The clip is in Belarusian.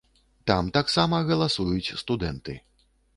Там таксама галасуюць студэнты.